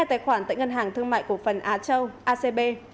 tài khoản tại ngân hàng thương mại cổ phần á châu acb